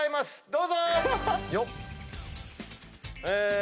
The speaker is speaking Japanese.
どうぞ！